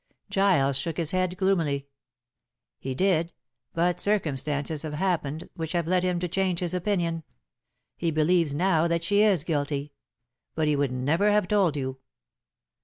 Giles shook his head gloomily. "He did, but circumstances have happened which have led him to change his opinion. He believes now that she is guilty. But he would never have told you."